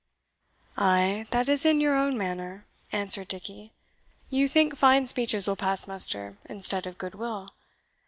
"Ay, that is in your own manner," answered Dickie; "you think fine speeches will pass muster instead of good will.